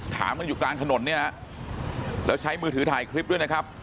ถามกันอยู่กลางถนนเนี่ยแล้วใช้มือถือถ่ายคลิปด้วยนะครับ